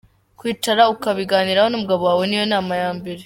Kwicara ukabiganiraho n’umugabo wawe niyo nama ya mbere.